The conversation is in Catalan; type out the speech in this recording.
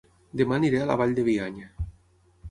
Dema aniré a La Vall de Bianya